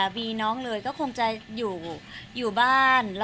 ครอบครัวมีน้องเลยก็คงจะอยู่บ้านแล้วก็ดูแลสามีแล้วก็เลี้ยงลูกให้ดีที่สุดค่ะ